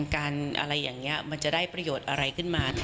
อะไรอย่างนี้มันจะได้ประโยชน์อะไรขึ้นมา